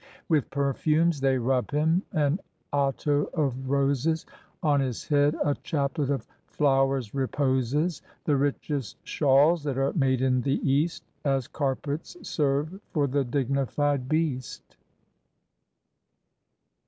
With perfumes they rub him, and otto of roses, On his head a chaplet of flowers reposes. The richest shawls that are made in the East As carpets serve for the dignified beast.